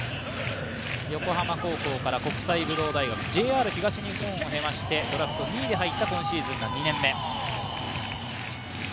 横浜高校から国際武道大学、ＪＲ東日本を経ましてドラフト２位で入り、今シーズン２年目。